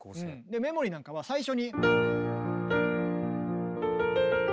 「メモリー」なんかは最初に。